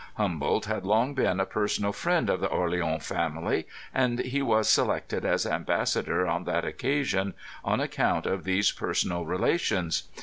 Hum boldt had long been a personal friend of the Orleans family, and he was selected as ambassador on that occasion on account of these personal relations.